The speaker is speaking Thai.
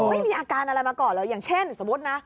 ไม่มีอาการอะไรมาก่อนเลยอย่างเช่นสมมุตินะ